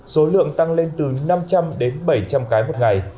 số lượng tăng lên từ năm trăm linh đến bảy trăm linh cái một ngày